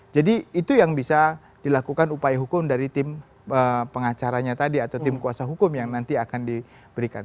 jadi itu yang bisa dilakukan upaya hukum dari tim pengacaranya tadi atau tim kuasa hukum yang nanti akan diberikan